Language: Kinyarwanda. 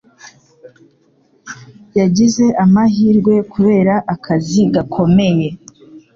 Yagize amahirwe kubera akazi gakomeye.